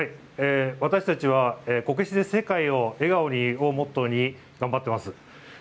私たちはこけしで世界を笑顔にをモットーに頑張っています。